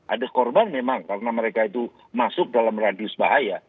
ada korban memang karena mereka itu masuk dalam radius bahaya